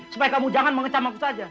supaya kamu jangan mengecam waktu saja